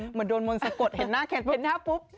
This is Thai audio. เหมือนโดนมนต์สะกดเห็นหน้าเคนปุ๊บ